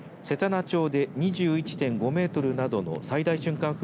せたな町で２１．５メートルなどの最大瞬間